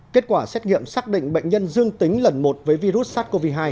kết quả xét nghiệm xác định bệnh nhân dương tính lần một với virus sars cov hai